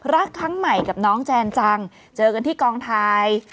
รักครั้งใหม่กับน้องแจนจังเจอกันที่กองถ่าย